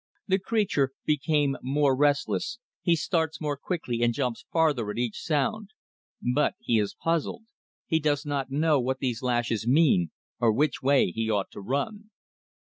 The creature becomes more restless, he starts more quickly and jumps farther at each sound. But he is puzzled; he does not know what these lashes mean, or which way he ought to run.